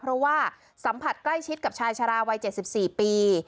เพราะว่าสัมผัสใกล้ชิดกับชายชาราวัยเจ็ดสิบสี่ปี